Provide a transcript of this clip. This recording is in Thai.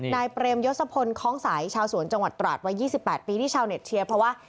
เปรมยศพลคล้องใสชาวสวนจังหวัดตราดวัย๒๘ปีที่ชาวเน็ตเชียร์เพราะว่า